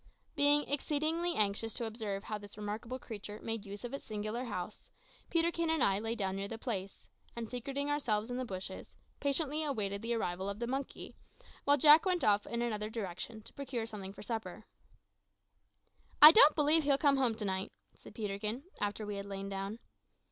Being exceedingly anxious to observe how this remarkable creature made use of its singular house, Peterkin and I lay down near the place, and secreting ourselves in the bushes, patiently awaited the arrival of the monkey, while Jack went off in another direction to procure something for supper. "I don't believe he'll come home to night," said Peterkin, after we had lain down.